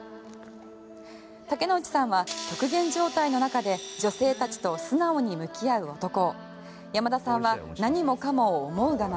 竹野内さんは極限状態の中で女性たちと素直に向き合う男を山田さんは山田さんは何もかも思うがま